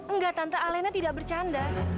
enggak tante alena tidak bercanda